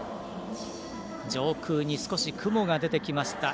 上空に少し雲が出てきました。